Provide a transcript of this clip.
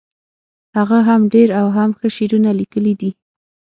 هغه هم ډیر او هم ښه شعرونه لیکلي دي